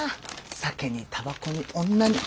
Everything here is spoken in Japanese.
酒にたばこに女に。